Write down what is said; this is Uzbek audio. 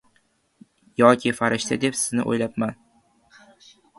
Yoki farishta deb sizni o‘ylabman